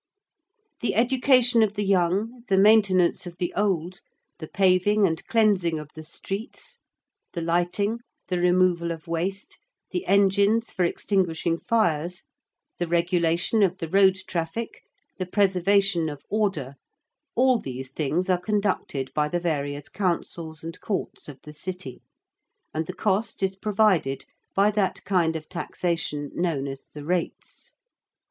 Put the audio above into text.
The education of the young, the maintenance of the old, the paving and cleansing of the streets, the lighting, the removal of waste, the engines for extinguishing fires, the regulation of the road traffic, the preservation of order, all these things are conducted by the various Councils and Courts of the City, and the cost is provided by that kind of taxation known as the rates.